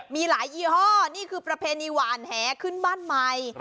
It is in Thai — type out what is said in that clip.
มีหลายยี่ห้อนี่คือประเพณีหวานแหขึ้นบ้านใหม่